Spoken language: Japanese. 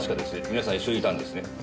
皆さん一緒にいたんですね？